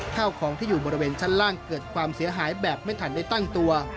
ข้าวของที่อยู่บริเวณชั้นล่างเกิดความเสียหายแบบไม่ทันได้ตั้งตัว